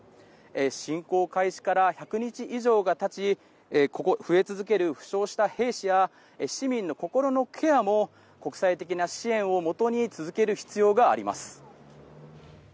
侵攻開始から１００日以上がたち増え続ける負傷した兵士や市民の心のケアも国際的な支援をもとに続ける必要があります。